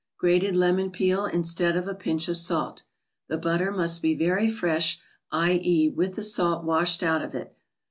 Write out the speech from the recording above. Grated lemon peel instead of a pinch of salt. The but¬ ter must be very fresh, i. e., with the salt washed out of it.